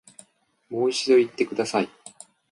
もう一度言ってください